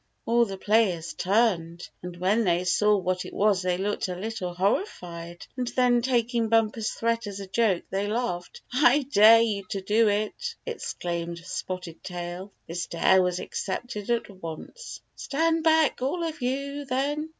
All the players turned, and when they saw what it was they looked a little horrified, and then taking Bumper's threat as a joke they laughed. " I dare you to do it !" exclaimed Spotted Tail. This dare was accepted at once. "Stand back, all of you, then!"